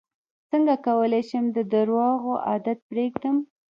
څنګه کولی شم د درواغو عادت پرېږدم